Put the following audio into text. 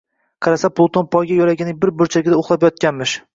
Qarashsa, Pluton poyga yoʻlagining bir burchagida uxlab yotganmish